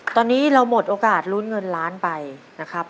ตอนนี้เราหมดโอกาสลุ้นเงินล้านไปนะครับ